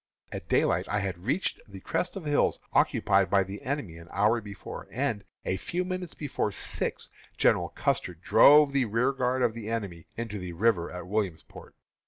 At daylight I had reached the crest of hills occupied by the enemy an hour before, and, a few minutes before six, General Custer drove the rearguard of the enemy into the river at Williamsport.